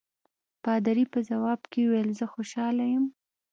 پادري په ځواب کې وویل زه خوشاله یم.